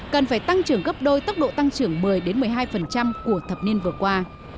cần phải tăng trưởng gấp đôi tốc độ tăng trưởng một mươi một mươi hai của thập niên vừa qua